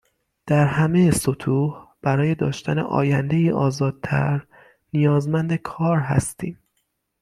در همه سطوح، برای داشتن آیندهای آزادتر نیازمند کار هستیم